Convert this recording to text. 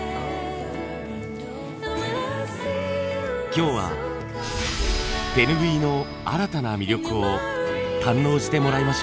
今日は手ぬぐいの新たな魅力を堪能してもらいましょう。